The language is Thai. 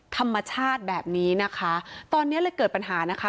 ธรรมชาติแบบนี้นะคะตอนนี้เลยเกิดปัญหานะคะ